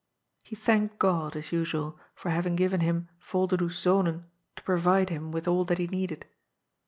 He thanked Ood, as usual, for having given him Yolderdoes Zonen to provide him with all that he needed.